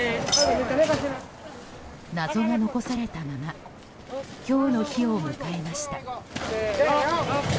謎が残されたまま今日の日を迎えました。